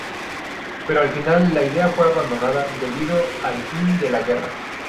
Pero al final la idea fue abandonada debido al fin de la guerra.